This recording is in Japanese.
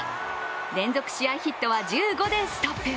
連続試合ヒットは１５でストップ。